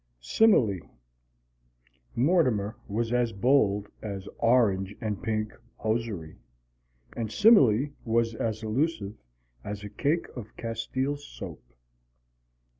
SIMILE Mortimer was as bold as orange and pink hosiery, and Simile was as elusive as a cake of castile soap.